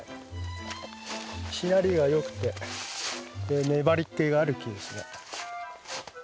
しなりがよくて粘りっけがある木ですね。